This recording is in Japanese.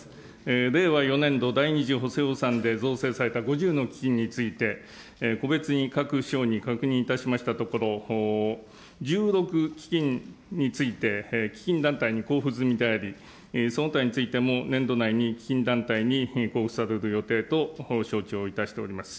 令和４年度第２次補正予算で造成された５０の基金について、個別に各省に確認いたしましたところ、１６基金について、基金団体に交付済みであり、その他についても年度内に基金団体に交付される予定と承知をいたしております。